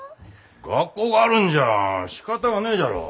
学校があるんじゃしかたがねえじゃろ。